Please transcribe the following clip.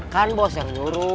kan bos yang nuru